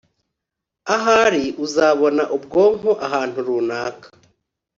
ahari uzabona ubwonko ahantu runaka.